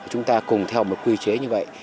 chúng ta cùng theo một quy chế như vậy